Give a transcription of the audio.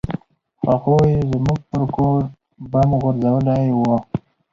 هغوى زموږ پر کور بم غورځولى و.